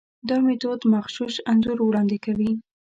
دا میتود مغشوش انځور وړاندې کوي.